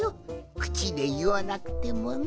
くちでいわなくてもな。